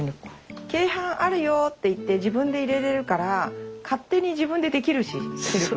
「鶏飯あるよ」って言って自分で入れられるから勝手に自分でできるしセルフ。